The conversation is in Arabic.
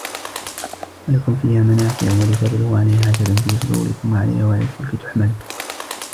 ولكم فيها منافع ولتبلغوا عليها حاجة في صدوركم وعليها وعلى الفلك تحملون